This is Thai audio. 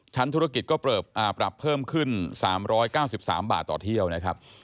ธุรกิจก็ปรับเพิ่มขึ้น๓๙๓บาทต่อเที่ยวนะครับ